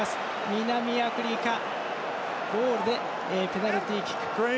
南アフリカボールでペナルティキック。